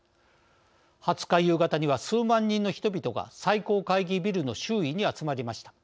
２０日夕方には数万人の人々が最高会議ビルの周囲に集まりました。